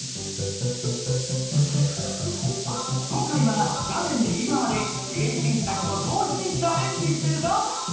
今回は画面右がわでてれび戦士たちも同時にチャレンジするぞ！